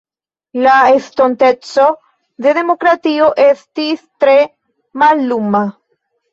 La estonteco de demokratio estis tre malluma.